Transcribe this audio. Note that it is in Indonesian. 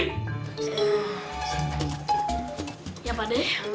ehm siapa deh